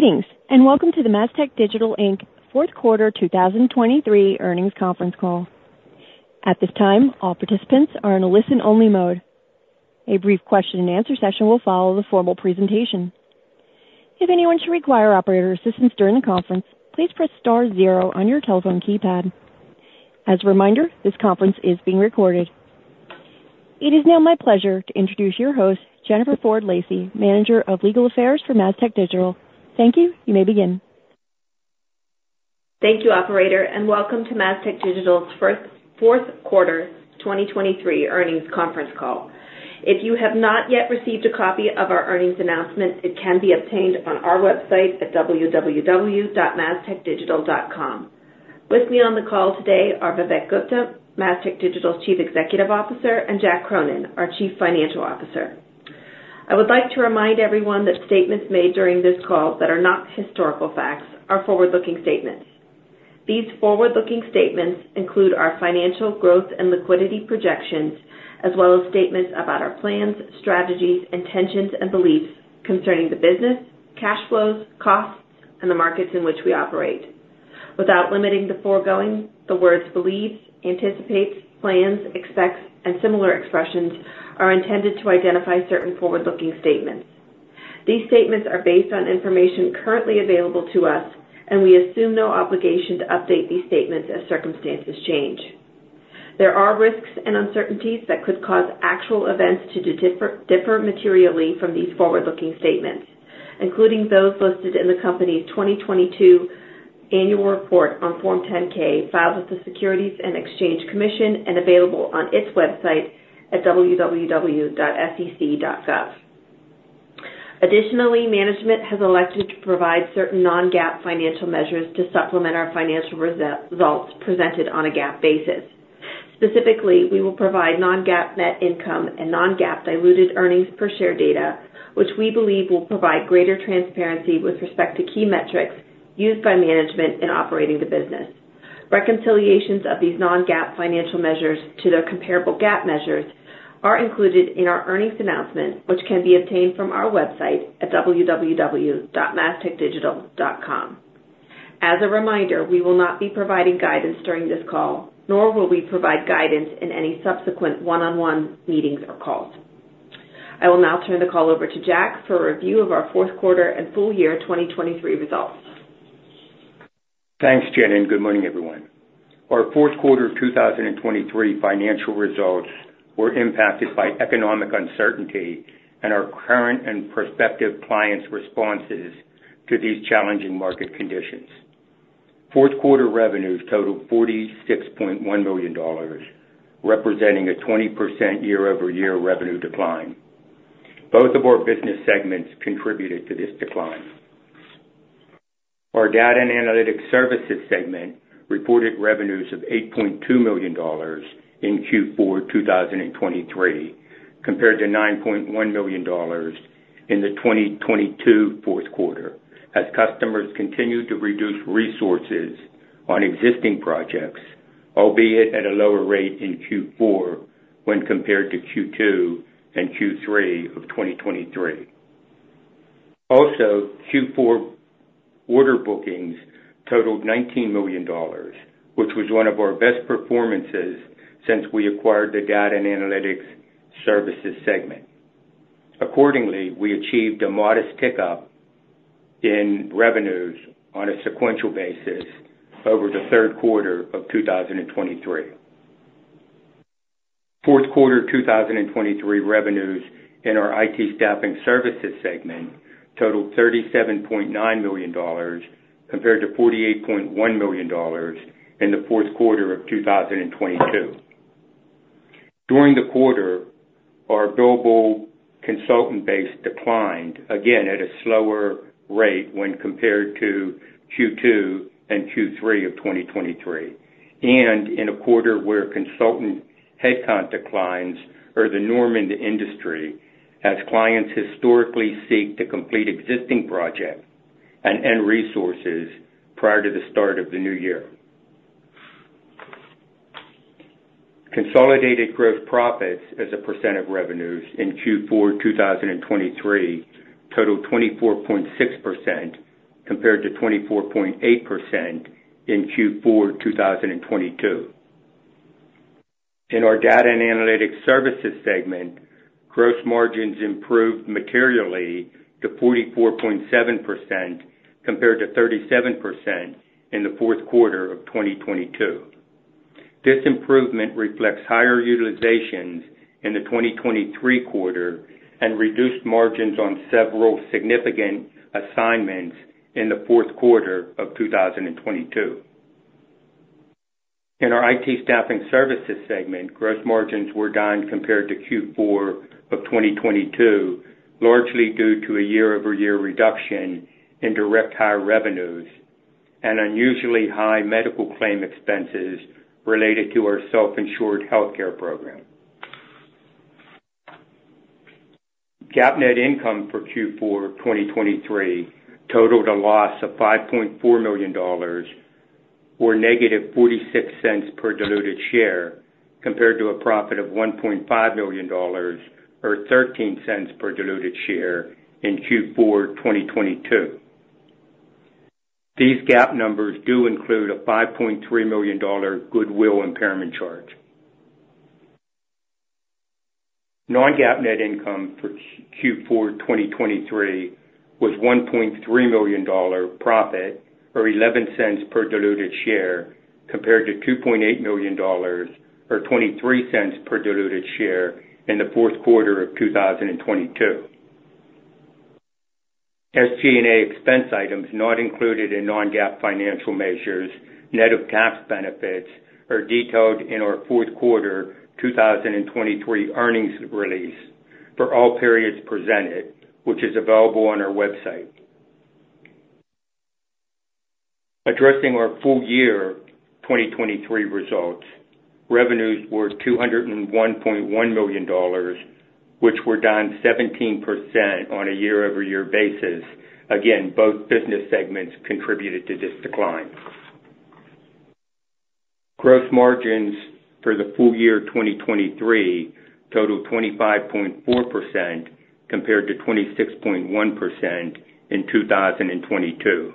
Greetings, and welcome to the Mastech Digital, Inc. fourth quarter 2023 earnings conference call. At this time, all participants are in a listen-only mode. A brief question and answer session will follow the formal presentation. If anyone should require operator assistance during the conference, please press star zero on your telephone keypad. As a reminder, this conference is being recorded. It is now my pleasure to introduce your host, Jennifer Ford Lacey, Manager of Legal Affairs for Mastech Digital. Thank you. You may begin. Thank you, operator, and welcome to Mastech Digital's fourth quarter 2023 earnings conference call. If you have not yet received a copy of our earnings announcement, it can be obtained on our website at www.mastechdigital.com. With me on the call today are Vivek Gupta, Mastech Digital's Chief Executive Officer, and Jack Cronin, our Chief Financial Officer. I would like to remind everyone that statements made during this call that are not historical facts are forward-looking statements. These forward-looking statements include our financial growth and liquidity projections, as well as statements about our plans, strategies, intentions, and beliefs concerning the business, cash flows, costs, and the markets in which we operate. Without limiting the foregoing, the words believes, anticipates, plans, expects, and similar expressions are intended to identify certain forward-looking statements. These statements are based on information currently available to us, and we assume no obligation to update these statements as circumstances change. There are risks and uncertainties that could cause actual events to differ materially from these forward-looking statements, including those posted in the company's 2022 annual report on Form 10-K, filed with the Securities and Exchange Commission and available on its website at www.sec.gov. Additionally, management has elected to provide certain non-GAAP financial measures to supplement our financial results presented on a GAAP basis. Specifically, we will provide non-GAAP net income and non-GAAP diluted earnings per share data, which we believe will provide greater transparency with respect to key metrics used by management in operating the business. Reconciliations of these non-GAAP financial measures to their comparable GAAP measures are included in our earnings announcement, which can be obtained from our website at www.mastechdigital.com. As a reminder, we will not be providing guidance during this call, nor will we provide guidance in any subsequent one-on-one meetings or calls. I will now turn the call over to Jack for a review of our fourth quarter and full year 2023 results. Thanks, Jen, and good morning, everyone. Our fourth quarter of 2023 financial results were impacted by economic uncertainty and our current and prospective clients' responses to these challenging market conditions. Fourth quarter revenues totaled $46.1 million, representing a 20% year-over-year revenue decline. Both of our business segments contributed to this decline. Our Data and Analytics Services segment reported revenues of $8.2 million in Q4 2023, compared to $9.1 million in the 2022 fourth quarter, as customers continued to reduce resources on existing projects, albeit at a lower rate in Q4 when compared to Q2 and Q3 of 2023. Also, Q4 order bookings totaled $19 million, which was one of our best performances since we acquired the Data and Analytics Services segment. Accordingly, we achieved a modest tick-up in revenues on a sequential basis over the third quarter of 2023. Fourth quarter 2023 revenues in our IT Staffing Services segment totaled $37.9 million, compared to $48.1 million in the fourth quarter of 2022. During the quarter, our billable consultant base declined again at a slower rate when compared to Q2 and Q3 of 2023, and in a quarter where consultant headcount declines are the norm in the industry, as clients historically seek to complete existing projects and end resources prior to the start of the new year. Consolidated gross profits as a percent of revenues in Q4 2023 totaled 24.6%, compared to 24.8% in Q4 2022. In our Data and Analytics Services segment, gross margins improved materially to 44.7%, compared to 37% in the fourth quarter of 2022. This improvement reflects higher utilizations in the 2023 quarter and reduced margins on several significant assignments in the fourth quarter of 2022. In our IT Staffing Services segment, gross margins were down compared to Q4 of 2022, largely due to a year-over-year reduction in direct hire revenues and unusually high medical claim expenses related to our self-insured healthcare program. GAAP net income for Q4 2023 totaled a loss of $5.4 million, or -$0.46 per diluted share, compared to a profit of $1.5 million, or $0.13 per diluted share in Q4 2022. These GAAP numbers do include a $5.3 million goodwill impairment charge. Non-GAAP net income for Q4 2023 was $1.3 million profit, or $0.11 per diluted share, compared to $2.8 million, or $0.23 per diluted share in the fourth quarter of 2022. SG&A expense items not included in non-GAAP financial measures, net of tax benefits, are detailed in our fourth quarter 2023 earnings release for all periods presented, which is available on our website. Addressing our full year 2023 results, revenues were $201.1 million, which were down 17% on a year-over-year basis. Again, both business segments contributed to this decline. Gross margins for the full year 2023 totaled 25.4%, compared to 26.1% in 2022.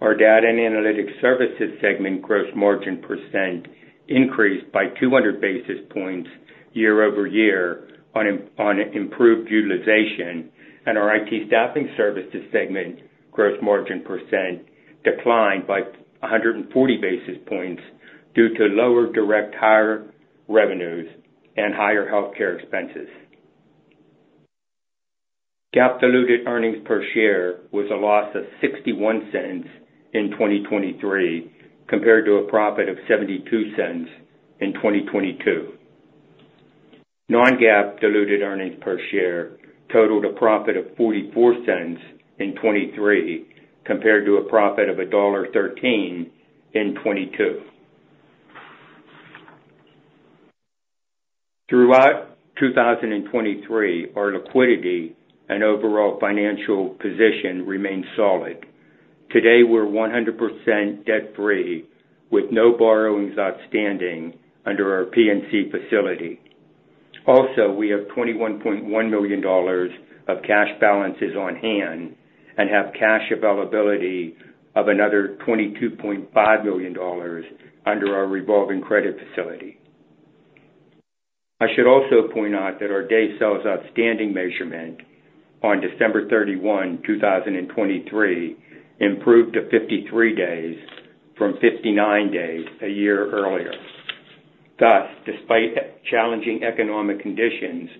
Our Data and Analytics Services segment gross margin percent increased by 200 basis points year-over-year on improved utilization, and our IT Staffing Services segment gross margin percent declined by 140 basis points due to lower direct hire revenues and higher healthcare expenses. GAAP diluted earnings per share was a loss of $0.61 in 2023, compared to a profit of $0.72 in 2022. Non-GAAP diluted earnings per share totaled a profit of $0.44 in 2023, compared to a profit of $1.13 in 2022. Throughout 2023, our liquidity and overall financial position remained solid. Today, we're 100% debt-free, with no borrowings outstanding under our PNC facility. Also, we have $21.1 million of cash balances on hand and have cash availability of another $22.5 million under our revolving credit facility. I should also point out that our days sales outstanding measurement on December 31, 2023, improved to 53 days from 59 days a year earlier. Thus, despite challenging economic conditions,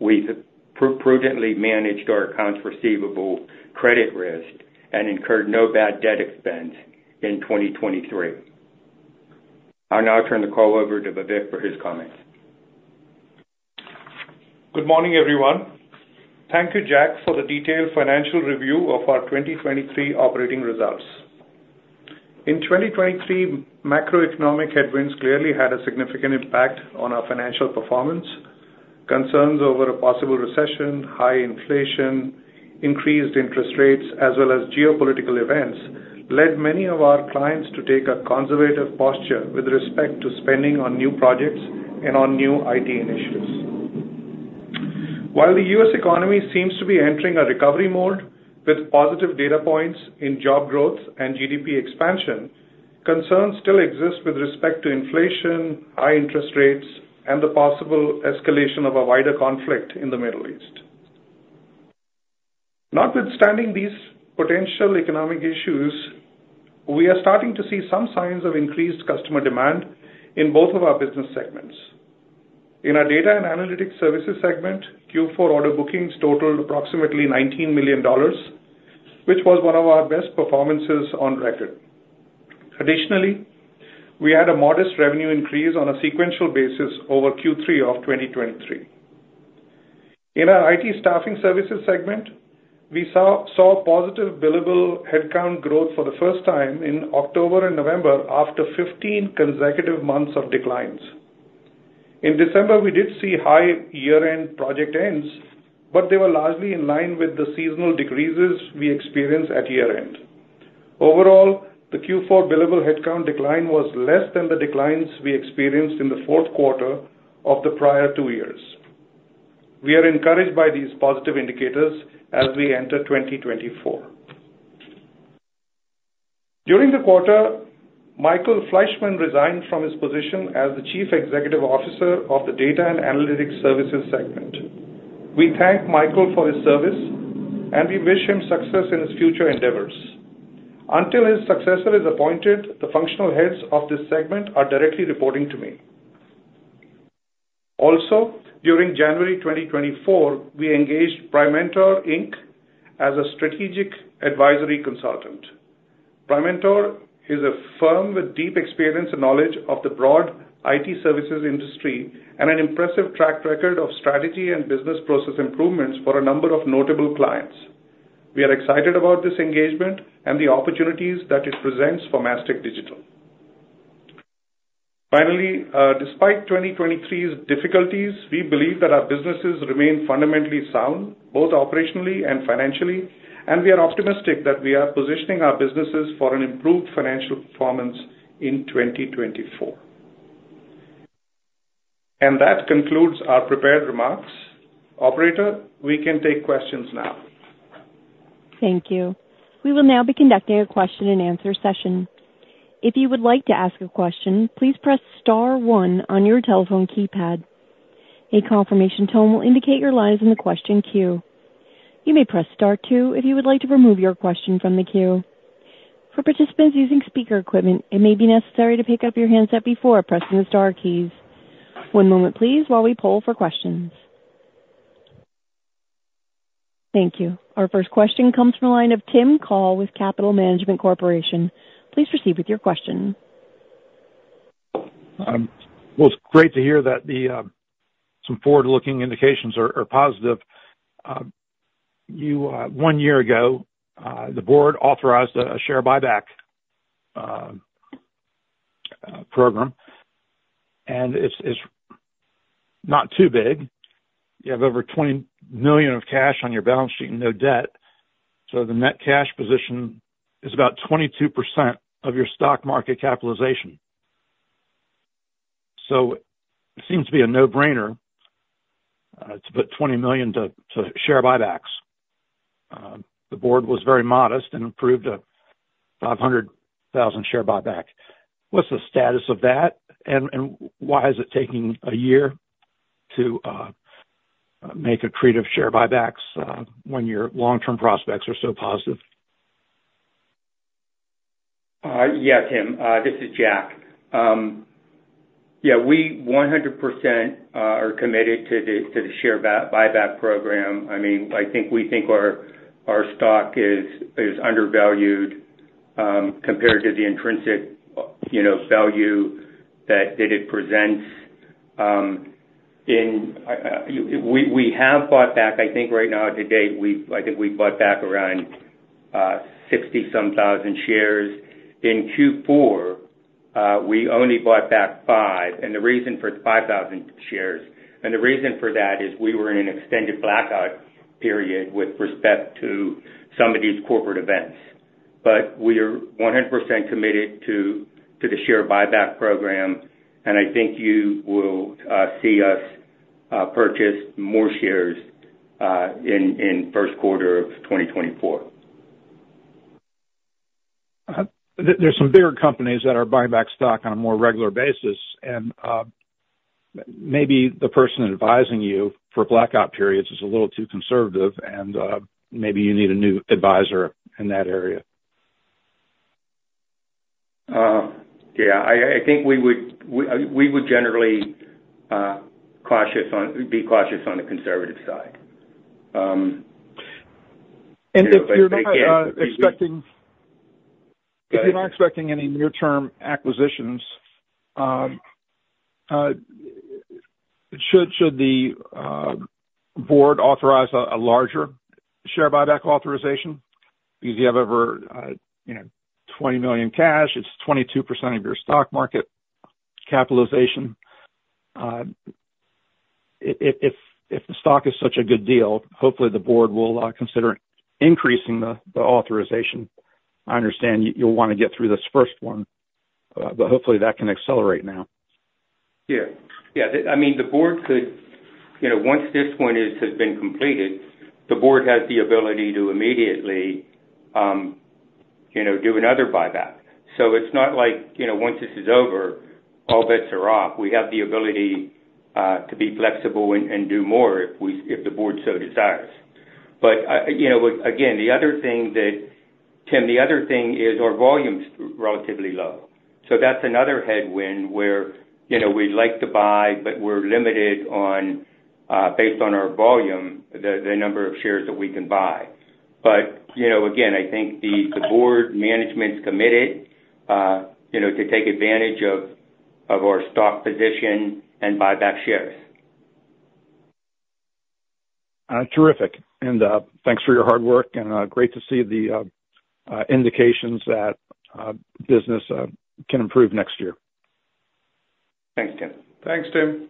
we've prudently managed our accounts receivable credit risk and incurred no bad debt expense in 2023. I'll now turn the call over to Vivek for his comments. Good morning, everyone. Thank you, Jack, for the detailed financial review of our 2023 operating results. In 2023, macroeconomic headwinds clearly had a significant impact on our financial performance. Concerns over a possible recession, high inflation, increased interest rates, as well as geopolitical events, led many of our clients to take a conservative posture with respect to spending on new projects and on new IT initiatives. While the U.S. economy seems to be entering a recovery mode with positive data points in job growth and GDP expansion, concerns still exist with respect to inflation, high interest rates, and the possible escalation of a wider conflict in the Middle East. Notwithstanding these potential economic issues, we are starting to see some signs of increased customer demand in both of our business segments. In our Data and Analytics Services segment, Q4 order bookings totaled approximately $19 million, which was one of our best performances on record. Additionally, we had a modest revenue increase on a sequential basis over Q3 of 2023. In our IT Staffing Services segment, we saw positive billable headcount growth for the first time in October and November after 15 consecutive months of declines. In December, we did see high year-end project ends, but they were largely in line with the seasonal decreases we experienced at year-end. Overall, the Q4 billable headcount decline was less than the declines we experienced in the fourth quarter of the prior two years. We are encouraged by these positive indicators as we enter 2024. During the quarter, Michael Fleishman resigned from his position as the Chief Executive Officer of the Data and Analytics Services segment. We thank Michael for his service, and we wish him success in his future endeavors. Until his successor is appointed, the functional heads of this segment are directly reporting to me. Also, during January 2024, we engaged Primentor, Inc. as a strategic advisory consultant. Primentor is a firm with deep experience and knowledge of the broad IT services industry and an impressive track record of strategy and business process improvements for a number of notable clients. We are excited about this engagement and the opportunities that it presents for Mastech Digital.... Finally, despite 2023's difficulties, we believe that our businesses remain fundamentally sound, both operationally and financially, and we are optimistic that we are positioning our businesses for an improved financial performance in 2024. And that concludes our prepared remarks. Operator, we can take questions now. Thank you. We will now be conducting a question-and-answer session. If you would like to ask a question, please press star one on your telephone keypad. A confirmation tone will indicate your line is in the question queue. You may press star two if you would like to remove your question from the queue. For participants using speaker equipment, it may be necessary to pick up your handset before pressing the star keys. One moment, please, while we poll for questions. Thank you. Our first question comes from the line of Tim Call with Capital Management Corporation. Please proceed with your question. Well, it's great to hear that the some forward-looking indications are positive. You one year ago the board authorized a share buyback program, and it's not too big. You have over $20 million of cash on your balance sheet and no debt, so the net cash position is about 22% of your stock market capitalization. So it seems to be a no-brainer to put $20 million to share buybacks. The board was very modest and approved a 500,000 share buyback. What's the status of that? And why is it taking a year to make accretive share buybacks when your long-term prospects are so positive? Yeah, Tim, this is Jack. Yeah, we 100% are committed to the share buyback program. I mean, I think our stock is undervalued compared to the intrinsic, you know, value that it presents. We have bought back, I think right now, to date, I think we've bought back around 60-some thousand shares. In Q4, we only bought back 5,000 shares, and the reason for that is we were in an extended blackout period with respect to some of these corporate events. But we are 100% committed to the share buyback program, and I think you will see us purchase more shares in first quarter of 2024. There, there's some bigger companies that are buying back stock on a more regular basis, and maybe the person advising you for blackout periods is a little too conservative, and maybe you need a new advisor in that area. Yeah, I think we would generally be cautious on the conservative side, you know, but again, we- If you're not expecting- Go ahead. If you're not expecting any near-term acquisitions, should the board authorize a larger share buyback authorization? Because you have over, you know, $20 million cash. It's 22% of your stock market capitalization. If the stock is such a good deal, hopefully the board will consider increasing the authorization. I understand you'll want to get through this first one, but hopefully that can accelerate now. Yeah. Yeah, I mean, the board could. You know, once this one has been completed, the board has the ability to immediately, you know, do another buyback. So it's not like, you know, once this is over, all bets are off. We have the ability to be flexible and do more if we, if the board so desires. But, you know, again, the other thing that, Tim, the other thing is our volume's relatively low, so that's another headwind where, you know, we'd like to buy, but we're limited on, based on our volume, the number of shares that we can buy. But, you know, again, I think the board management's committed, you know, to take advantage of our stock position and buy back shares. Terrific, and thanks for your hard work, and great to see the indications that business can improve next year. Thanks, Tim. Thanks, Tim.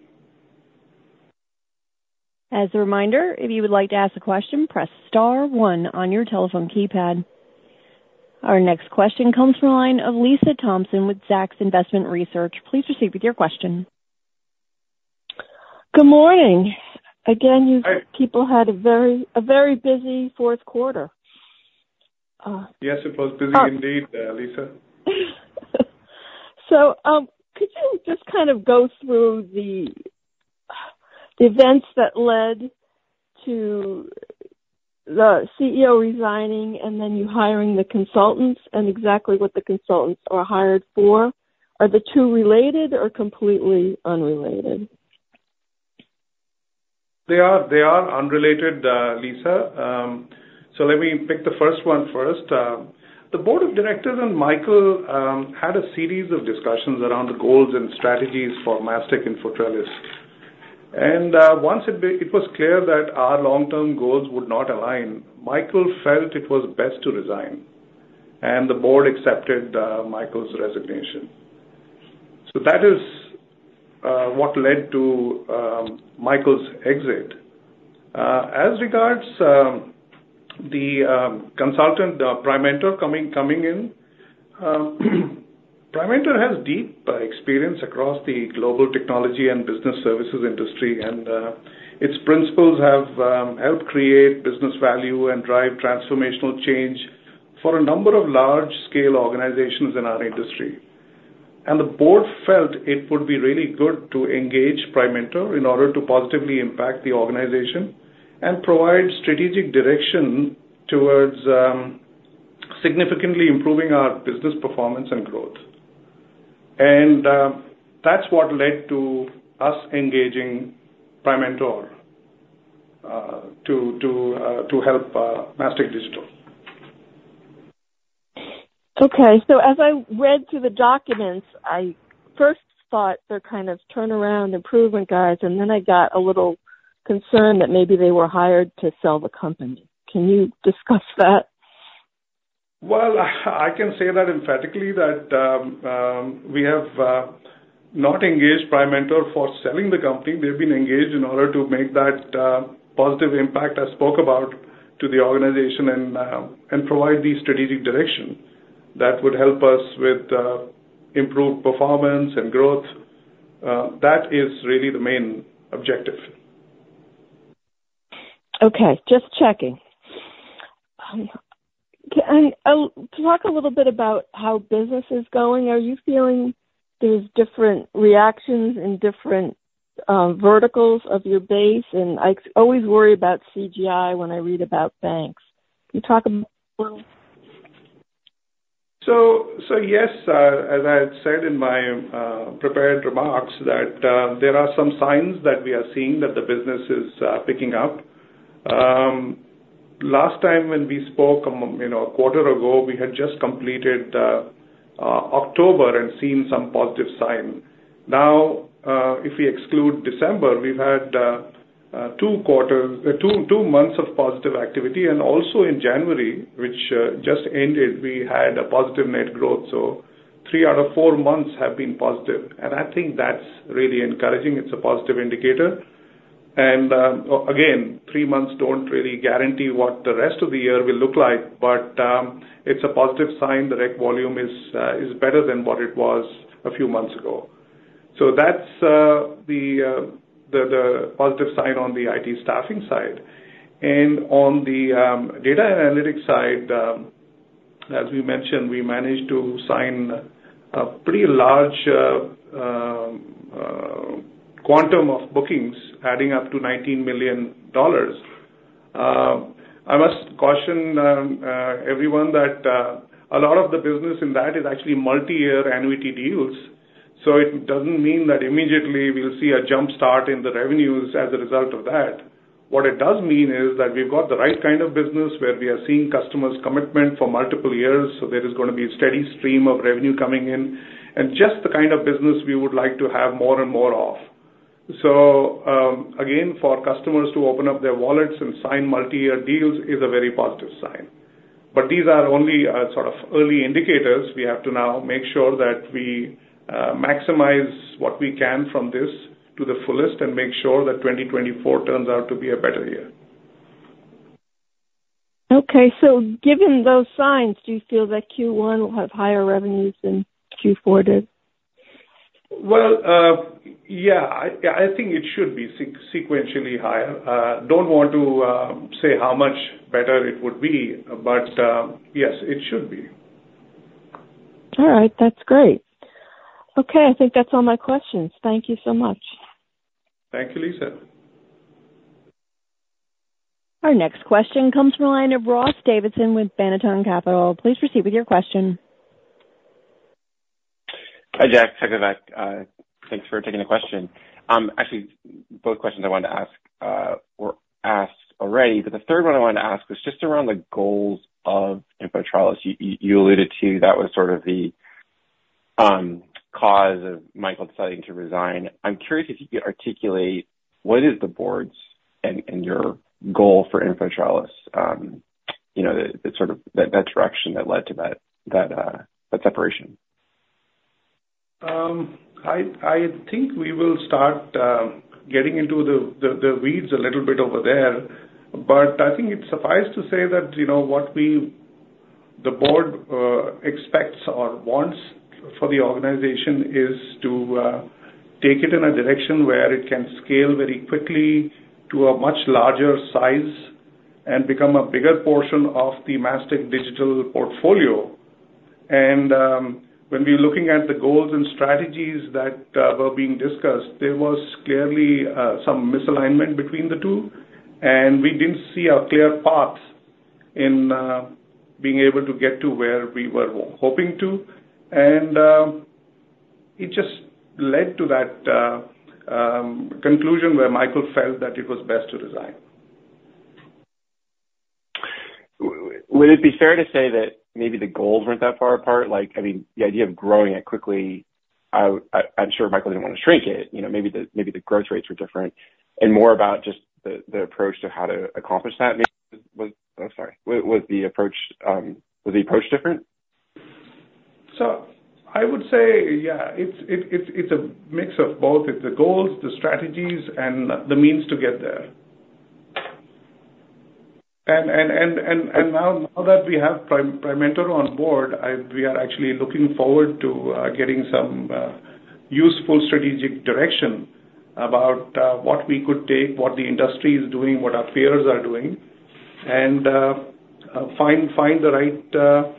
As a reminder, if you would like to ask a question, press star one on your telephone keypad. Our next question comes from the line of Lisa Thompson with Zacks Investment Research. Please proceed with your question. Good morning. Again- Hi. You people had a very, a very busy fourth quarter. Yes, it was busy indeed, Lisa. Could you just kind of go through the events that led to the CEO resigning and then you hiring the consultants and exactly what the consultants are hired for? Are the two related or completely unrelated? They are, they are unrelated, Lisa. So let me pick the first one first. The board of directors and Michael had a series of discussions around the goals and strategies for Mastech and InfoTrellis. And once it was clear that our long-term goals would not align, Michael felt it was best to resign, and the board accepted Michael's resignation. So that is what led to Michael's exit. As regards the consultant, the Primentor coming in. Primentor has deep experience across the global technology and business services industry, and its principals have helped create business value and drive transformational change for a number of large-scale organizations in our industry. And the board felt it would be really good to engage Primentor in order to positively impact the organization and provide strategic direction towards significantly improving our business performance and growth. And that's what led to us engaging Primentor to help Mastech Digital. Okay. As I read through the documents, I first thought they're kind of turnaround improvement guys, and then I got a little concerned that maybe they were hired to sell the company. Can you discuss that? Well, I can say that emphatically, we have not engaged Primentor for selling the company. They've been engaged in order to make that positive impact I spoke about to the organization and provide the strategic direction that would help us with improved performance and growth. That is really the main objective. Okay. Just checking. Can talk a little bit about how business is going. Are you feeling there's different reactions in different verticals of your base? And I always worry about CGI when I read about banks. Can you talk about them? Yes, as I had said in my prepared remarks, there are some signs that we are seeing that the business is picking up. Last time when we spoke, you know, a quarter ago, we had just completed October and seen some positive sign. Now, if we exclude December, we've had two quarters, two months of positive activity, and also in January, which just ended, we had a positive net growth. So three out of four months have been positive, and I think that's really encouraging. It's a positive indicator. Again, three months don't really guarantee what the rest of the year will look like, but it's a positive sign. The rec volume is better than what it was a few months ago. So that's the positive sign on the IT Staffing side. On the data analytics side, as we mentioned, we managed to sign a pretty large quantum of bookings, adding up to $19 million. I must caution everyone that a lot of the business in that is actually multi-year annuity deals, so it doesn't mean that immediately we'll see a jump start in the revenues as a result of that. What it does mean is that we've got the right kind of business where we are seeing customers' commitment for multiple years, so there is gonna be a steady stream of revenue coming in and just the kind of business we would like to have more and more of. So, again, for customers to open up their wallets and sign multi-year deals is a very positive sign. But these are only, sort of early indicators. We have to now make sure that we, maximize what we can from this to the fullest and make sure that 2024 turns out to be a better year. Okay, so given those signs, do you feel that Q1 will have higher revenues than Q4 did? Well, yeah, I think it should be sequentially higher. Don't want to say how much better it would be, but yes, it should be. All right. That's great. Okay, I think that's all my questions. Thank you so much. Thank you, Lisa. Our next question comes from the line of Ross Davisson with Banneton Capital. Please proceed with your question. Hi, Jack. Welcome back. Thanks for taking the question. Actually, both questions I wanted to ask were asked already, but the third one I wanted to ask was just around the goals of InfoTrellis. You alluded to that was sort of the cause of Michael deciding to resign. I'm curious if you could articulate what is the board's and your goal for InfoTrellis, you know, the sort of that direction that led to that separation. I think we will start getting into the weeds a little bit over there, but I think it's suffice to say that, you know, what we, the board, expects or wants for the organization is to take it in a direction where it can scale very quickly to a much larger size and become a bigger portion of the Mastech Digital portfolio. When we're looking at the goals and strategies that were being discussed, there was clearly some misalignment between the two, and we didn't see a clear path in being able to get to where we were hoping to. It just led to that conclusion where Michael felt that it was best to resign.... Would it be fair to say that maybe the goals weren't that far apart? Like, I mean, the idea of growing it quickly, I, I'm sure Michael didn't want to shrink it. You know, maybe the, maybe the growth rates were different and more about just the, the approach to how to accomplish that maybe was... Oh, sorry. Was the approach different? So I would say, yeah, it's a mix of both. It's the goals, the strategies, and the means to get there. And now that we have Primentor on board, we are actually looking forward to getting some useful strategic direction about what we could take, what the industry is doing, what our peers are doing, and find the right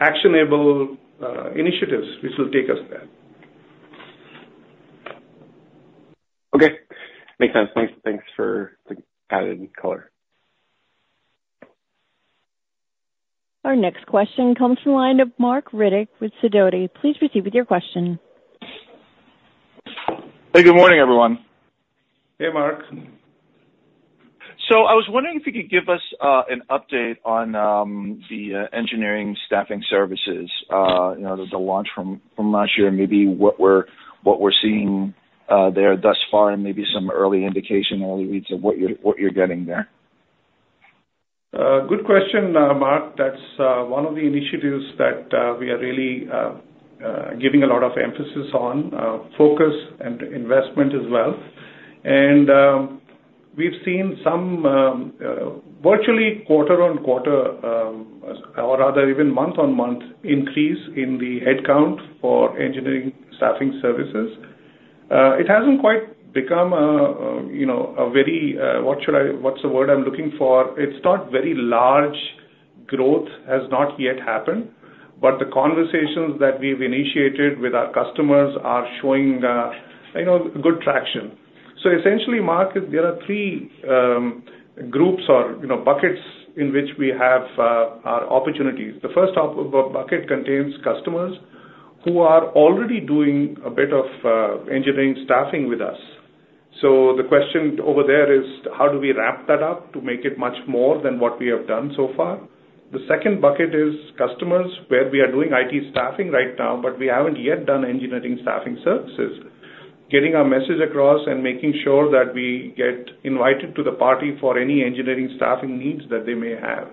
actionable initiatives which will take us there. Okay. Makes sense. Thanks, thanks for the added color. Our next question comes from the line of Marc Riddick with Sidoti. Please proceed with your question. Hey, good morning, everyone. Hey, Marc. So I was wondering if you could give us an update on the engineering staffing services, you know, the launch from last year, and maybe what we're seeing there thus far, and maybe some early indication, early reads of what you're getting there. Good question, Marc. That's one of the initiatives that we are really giving a lot of emphasis on, focus and investment as well. We've seen some virtually quarter-on-quarter, or rather even month-on-month increase in the headcount for engineering staffing services. It hasn't quite become a, you know, a very what should I. What's the word I'm looking for? It's not very large. Growth has not yet happened, but the conversations that we've initiated with our customers are showing, you know, good traction. So essentially, Marc, there are three groups or, you know, buckets in which we have our opportunities. The first bucket contains customers who are already doing a bit of engineering staffing with us. So the question over there is: How do we wrap that up to make it much more than what we have done so far? The second bucket is customers, where we are doing IT Staffing right now, but we haven't yet done engineering staffing services. Getting our message across and making sure that we get invited to the party for any engineering staffing needs that they may have.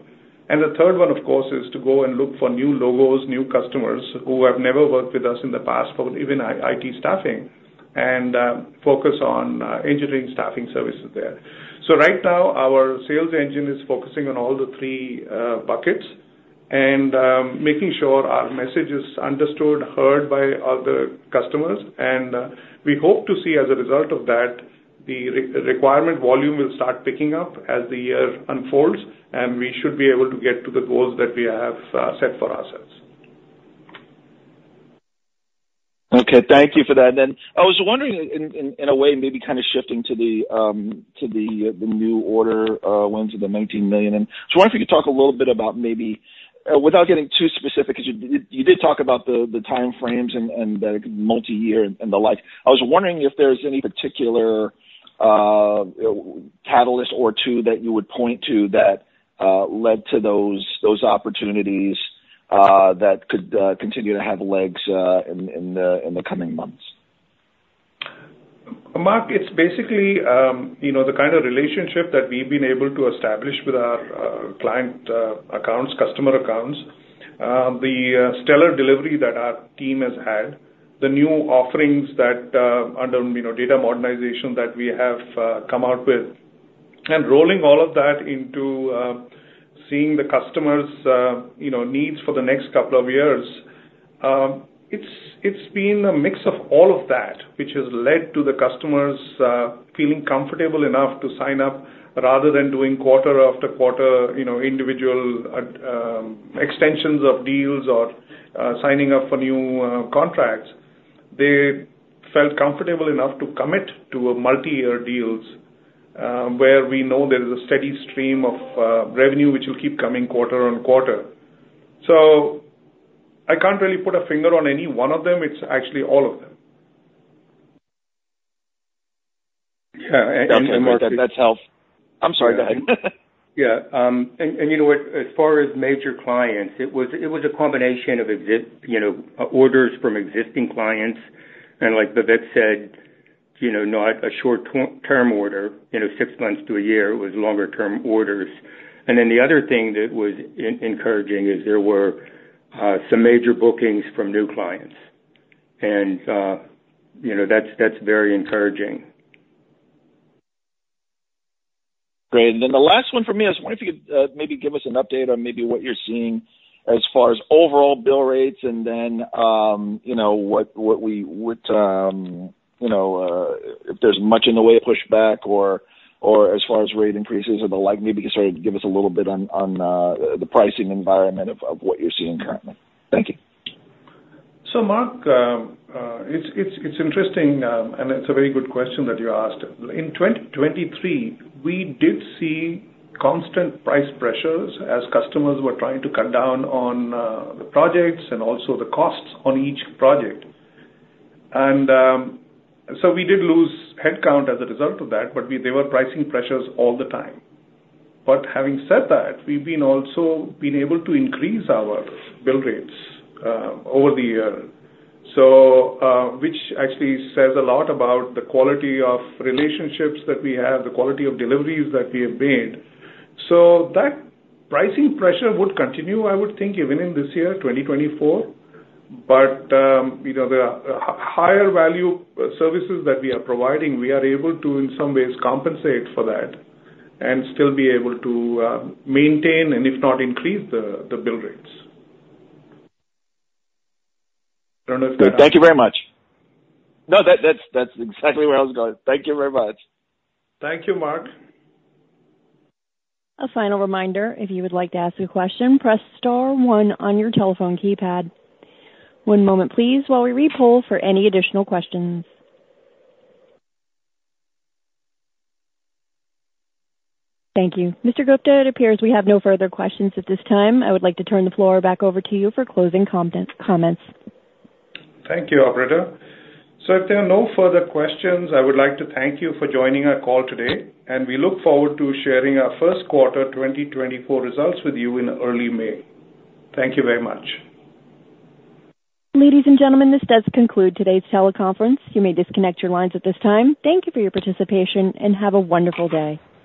And the third one, of course, is to go and look for new logos, new customers who have never worked with us in the past, for even IT Staffing, and focus on engineering staffing services there. So right now, our sales engine is focusing on all the three buckets and making sure our message is understood, heard by other customers. We hope to see, as a result of that, the requirement volume will start picking up as the year unfolds, and we should be able to get to the goals that we have set for ourselves. Okay, thank you for that. Then, I was wondering in a way, maybe kind of shifting to the new order wins of the $19 million. And so I wonder if you could talk a little bit about maybe, without getting too specific, 'cause you did talk about the time frames and the multi-year and the like. I was wondering if there's any particular catalyst or two that you would point to that led to those opportunities that could continue to have legs in the coming months. Marc, it's basically, you know, the kind of relationship that we've been able to establish with our client accounts, customer accounts. The stellar delivery that our team has had, the new offerings that, under, you know, data modernization that we have come out with, and rolling all of that into seeing the customers', you know, needs for the next couple of years. It's been a mix of all of that, which has led to the customers feeling comfortable enough to sign up, rather than doing quarter after quarter, you know, individual extensions of deals or signing up for new contracts. They felt comfortable enough to commit to a multi-year deals, where we know there is a steady stream of revenue, which will keep coming quarter on quarter. I can't really put a finger on any one of them. It's actually all of them. Yeah, and- That's helped. I'm sorry, go ahead. Yeah, you know what? As far as major clients, it was a combination of, you know, orders from existing clients, and like Vivek said, you know, not a short-term order, you know, six months to a year. It was longer-term orders. And then the other thing that was encouraging is there were some major bookings from new clients, and you know, that's very encouraging. Great. The last one for me is: I was wondering if you could maybe give us an update on maybe what you're seeing as far as overall bill rates and then, you know, what we, you know, if there's much in the way of pushback or as far as rate increases or the like, maybe you could sort of give us a little bit on the pricing environment of what you're seeing currently. Thank you. So, Marc, it's interesting, and it's a very good question that you asked. In 2023, we did see constant price pressures as customers were trying to cut down on the projects and also the costs on each project. And so we did lose headcount as a result of that, but they were pricing pressures all the time. But having said that, we've also been able to increase our bill rates over the year. So, which actually says a lot about the quality of relationships that we have, the quality of deliveries that we have made. So that pricing pressure would continue, I would think, even in this year, 2024. But, you know, the higher value services that we are providing, we are able to, in some ways, compensate for that and still be able to maintain and if not increase the bill rates. Don't know if- Thank you very much. No, that, that's, that's exactly where I was going. Thank you very much. Thank you, Marc. A final reminder, if you would like to ask a question, press star one on your telephone keypad. One moment, please, while we re-poll for any additional questions. Thank you. Mr. Gupta, it appears we have no further questions at this time. I would like to turn the floor back over to you for closing comments. Thank you, operator. If there are no further questions, I would like to thank you for joining our call today, and we look forward to sharing our first quarter 2024 results with you in early May. Thank you very much. Ladies and gentlemen, this does conclude today's teleconference. You may disconnect your lines at this time. Thank you for your participation, and have a wonderful day.